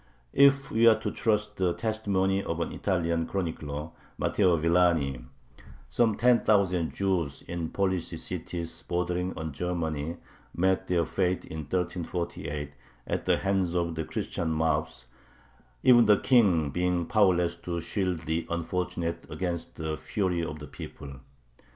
If we are to trust the testimony of an Italian chronicler, Matteo Villani, some ten thousand Jews in the Polish cities bordering on Germany met their fate in 1348 at the hands of Christian mobs, even the King being powerless to shield the unfortunates against the fury of the people.